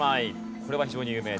これは非常に有名ですね。